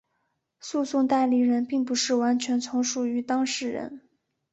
诉讼代理人并不是完全从属于当事人。